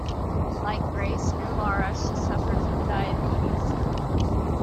Like Grace and Laura, she suffered from diabetes.